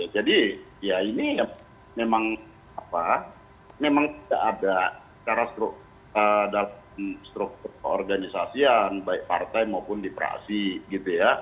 jadi ya ini memang apa memang tidak ada dalam struktur koorganisasian baik partai maupun di praksi gitu ya